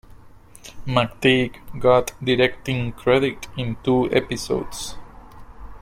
McTeigue got directing credit in two episodes.